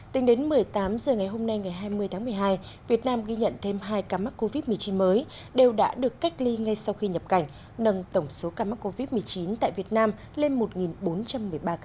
tính đến một mươi tám h ngày hôm nay ngày hai mươi tháng một mươi hai việt nam ghi nhận thêm hai ca mắc covid một mươi chín mới đều đã được cách ly ngay sau khi nhập cảnh nâng tổng số ca mắc covid một mươi chín tại việt nam lên một bốn trăm một mươi ba ca